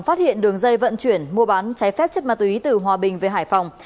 phát hiện đường dây vận chuyển mua bán trái phép chất ma túy từ hòa bình về hải phòng